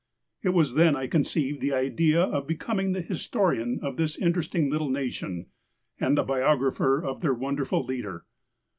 It was then I conceived the idea of becoming the his torian of this interesting little nation, and the biographer of their wonderful leader.